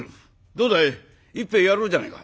「どうだい一杯やろうじゃねえか。